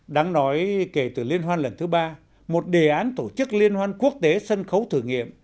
đáng nói kể từ liên hoan lần thứ ba một đề án tổ chức liên hoan quốc tế sân khấu thử nghiệm